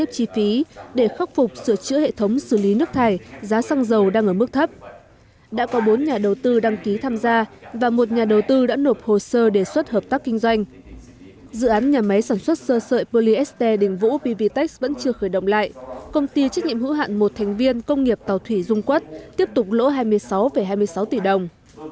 công ty trách nhiệm hữu hạn một thành viên công nghiệp tàu thủy dung quất tiếp tục lỗ hai mươi sáu hai mươi sáu tỷ đồng